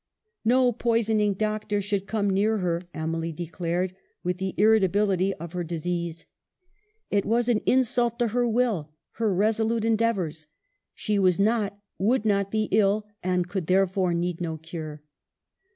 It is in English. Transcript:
" No poisoning doctor " should come near her, Emily declared with the irritability of her dis 304 EMILY BRONTE. ease. It was an insult to her will, her resolute endeavors. She was not, would not, be ill, and could therefore need no cure.